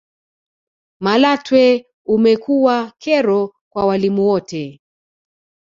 malatwe umekuwa kero kwa walimu wote